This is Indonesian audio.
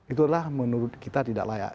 itu adalah menurut kita tidak layak